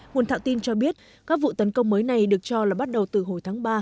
nguồn thạo tin cho biết các vụ tấn công mới này được cho là bắt đầu từ hồi tháng ba